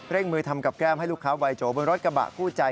เร่งมือทำกับแกล้มให้ลูกค้าไวโจบนรถกระบะกู้ใจ